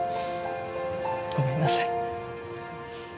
ごめんなさい。